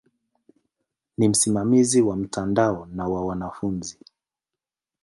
Ni msimamizi wa mtandao na wa wanafunzi.